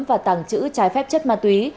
và tàng trữ trái phép chất ma túy